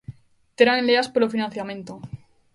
Terán leas polo financiamento.